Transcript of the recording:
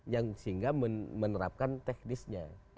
yang sehingga menerapkan teknisnya